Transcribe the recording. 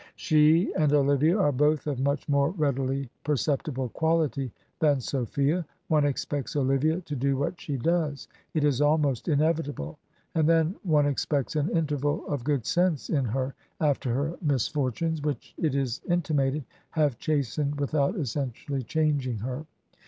She and OKvia are both of much more readily per ceptible quality than Sophia. One expects Olivia to do what she does; it is almost inevitable; and then one ex pects an interval of good sense in her after her misfort unes, which, it is intimated, have chastened without essentially changing her.